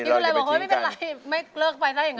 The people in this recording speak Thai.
ไม่เป็นไรไม่เลิกไปได้อย่างนั้น